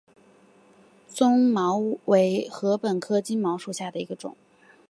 棕茅为禾本科金茅属下的一个种。